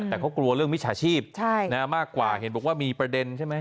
แต่เขากลัวเรื่องมิจฉาชีพมากกว่าเห็นบอกว่ามีประเด็นใช่ไหม